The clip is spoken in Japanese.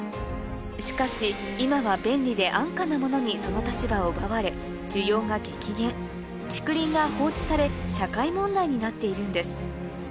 しかし今は便利で安価なものにその立場を奪われ需要が激減竹林が放置され社会問題になっているんです